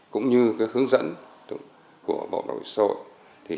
cũng như hướng dẫn của bộ đội xã hội